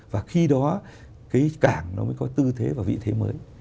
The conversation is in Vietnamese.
và khi đó cái cảng nó mới có tư thế và vị thế mới